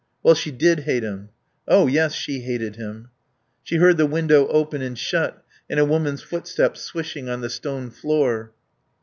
Well, she did hate him. Oh, yes, she hated him. She heard the window open and shut and a woman's footsteps swishing on the stone floor.